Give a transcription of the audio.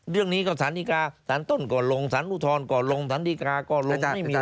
เรื่องนี้ก็สารดีกาสารต้นก่อนลงสารอุทธรณ์ก่อนลงสารดีกาก่อนลง